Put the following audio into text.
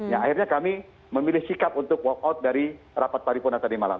ya akhirnya kami memilih sikap untuk walk out dari rapat paripurna tadi malam